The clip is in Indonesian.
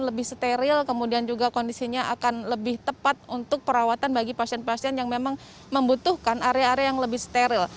lebih steril kemudian juga kondisinya akan lebih tepat untuk perawatan bagi pasien pasien yang memang membutuhkan area area yang lebih steril